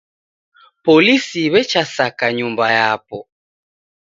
Polisi w'echasaka nyumba yapo.